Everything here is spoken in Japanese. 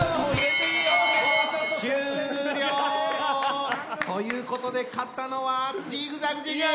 終了！ということで勝ったのはジグザグジギー！